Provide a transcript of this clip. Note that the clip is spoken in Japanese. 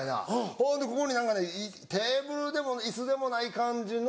ほんでここに何かテーブルでも椅子でもない感じの。